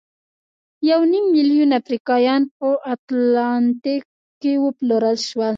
یو نیم میلیون افریقایان په اتلانتیک کې وپلورل شول.